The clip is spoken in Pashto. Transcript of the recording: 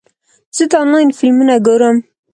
زه د انلاین فلمونه ګورم.